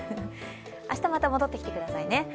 明日また戻ってきてくださいね。